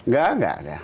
gak gak ada